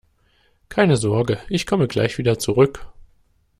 Keine Sorge, ich komme gleich wieder zurück!